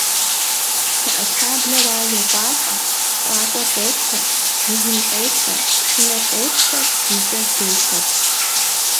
ЩтэӀэщтаблэу ар йокӀуалӀэ, щӀакӀуэр къещтэ, жыгым фӀелъэ, пшынэр къещтэр, и кӀэр делъэр.